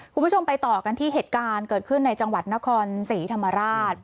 คุณผู้ชมไปต่อกันที่เหตุการณ์เกิดขึ้นในจังหวัดนครศรีธรรมราช